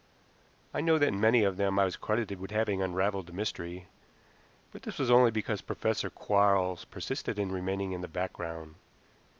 I know that in many of them I was credited with having unraveled the mystery, but this was only because Professor Quarles persisted in remaining in the background.